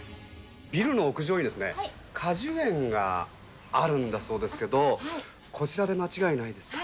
ビルの屋上に果樹園があるんだそうですけど、こちらで間違いないですか？